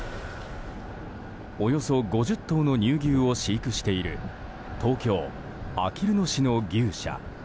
およそ５０頭の乳牛を飼育している東京・あきる野市の牛舎。